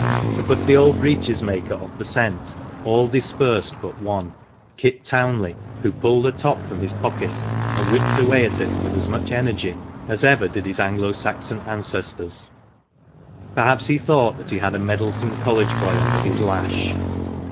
To put the old breeches maker off the scent, all dispersed but one, Kit Townley, who pulled a top from his pocket and whipped away at it with as much energy as ever did his Anglo Saxon ancestors. Perhaps he thought he had a meddlesome College boy under his lash.